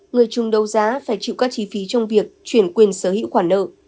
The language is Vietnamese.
người chung đấu giá phải chịu các chi phí trong việc chuyển quyền sở hữu khoản nợ